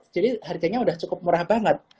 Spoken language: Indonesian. jadi harganya sudah cukup murah banget